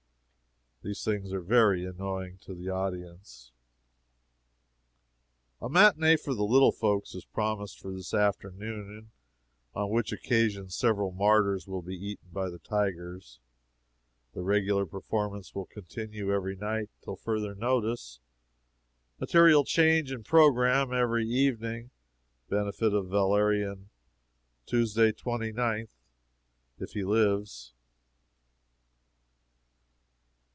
These things are very annoying to the audience. "A matinee for the little folks is promised for this afternoon, on which occasion several martyrs will be eaten by the tigers. The regular performance will continue every night till further notice. Material change of programme every evening. Benefit of Valerian, Tuesday, 29th, if he lives."